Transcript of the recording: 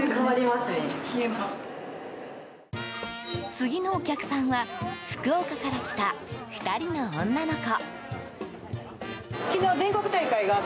次のお客さんは福岡から来た２人の女の子。